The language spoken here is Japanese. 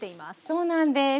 そうなんです。